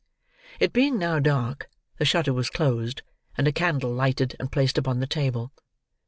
It being now dark, the shutter was closed, and a candle lighted and placed upon the table.